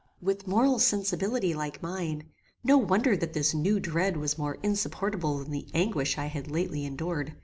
With moral sensibility like mine, no wonder that this new dread was more insupportable than the anguish I had lately endured.